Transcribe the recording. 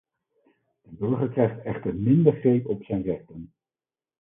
De burger krijgt echter minder greep op zijn rechten.